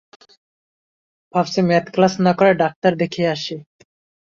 ভাবছি math class না করে ডাক্তার দেখিয়ে আসি।